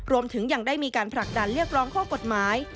รวมถึงยังได้มีการผลักดันเรียกร้องข้อกฎหมาย